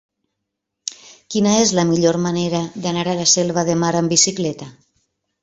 Quina és la millor manera d'anar a la Selva de Mar amb bicicleta?